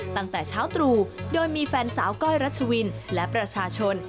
ตั้งแต่เช้าตรู่โดยมีแฟนสาวก้อยรัชวินและประชาชน